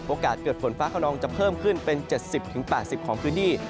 เกิดฝนฟ้าขนองจะเพิ่มขึ้นเป็น๗๐๘๐ของพื้นที่